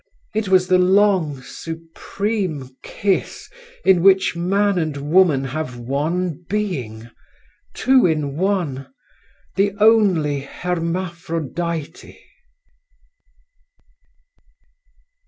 It was the long, supreme kiss, in which man and woman have one being, Two in one, the only Hermaphrodite.